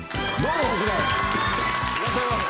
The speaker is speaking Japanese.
いらっしゃいませ。